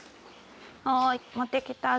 おい持ってきたぞ！